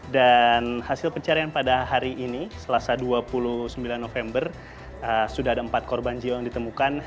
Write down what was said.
dan hasil pencarian pada hari ini selasa dua puluh sembilan november sudah ada empat korban jiwa yang ditemukan